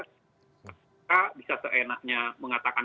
kpk bisa seenaknya mengatakan